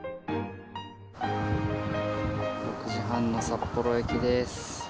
６時半の札幌駅です。